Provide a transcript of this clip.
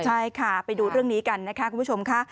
ใช่ค่ะไปดูเรื่องนี้กันนะคะคุณผู้ชมค่ะ